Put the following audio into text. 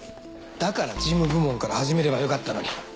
だから事務部門からはじめればよかったのに。